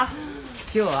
今日は？